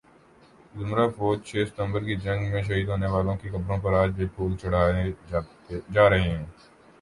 ذمرہ فوج چھ ستمبر کی جنگ میں شہید ہونے والوں کی قبروں پر آج بھی پھول چڑھائے جا رہے ہیں